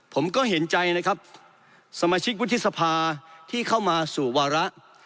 ผมก็เห็นใจนะครับสมาชิกวุฒิสภาที่เข้ามาสู่วาระ